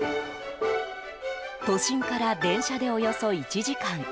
都心から電車でおよそ１時間。